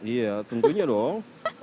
iya tentunya dong